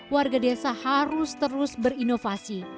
warga desa harus terus berinovasi